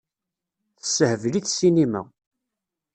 Tessehbel-it ssinima.